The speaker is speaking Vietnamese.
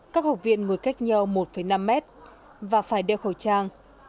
các học viên ngồi cách nhau một năm mét và phải đeo khẩu trang